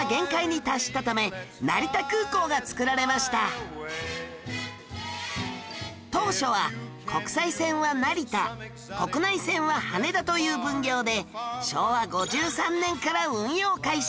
その当初は国際線は成田国内線は羽田という分業で昭和５３年から運用開始